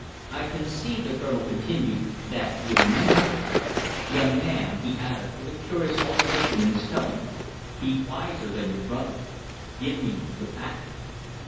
"I can see," the Colonel continued, "that you remember. Young man," he added, with a curious alteration in his tone, "be wiser than your brother! Give me the packet."